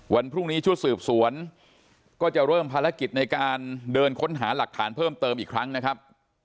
วันพรุ่งนี้ชุดสืบสวนก็จะเริ่มภารกิจในการเดินค้นหาหลักฐานเพิ่มเติมอีกครั้งนะครับ